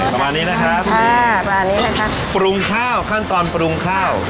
ประมาณนี้นะครับค่ะปลานี้นะคะปรุงข้าวขั้นตอนปรุงข้าว